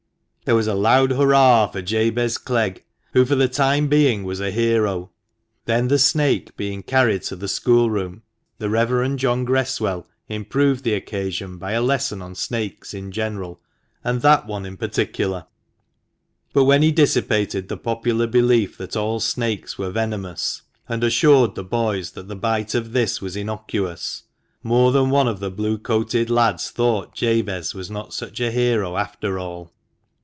There was a loud hurrah for Jabez Clegg, who for the time being was a hero. Then, the snake being carried to the schoolroom, the Rev. John Gresswell improved the occasion by a lesson on snakes in general, and that one in particular. But when he dissipated the popular belief that all snakes were venomous, and assured the boys that the bite of this was innocuous, more than one of the Blue coated lads thought Jabez was not such a hero after all.